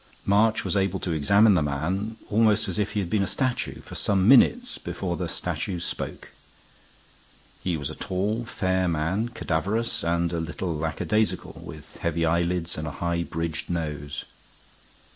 March was able to examine the man almost as if he had been a statue for some minutes before the statue spoke. He was a tall, fair man, cadaverous, and a little lackadaisical, with heavy eyelids and a highbridged nose.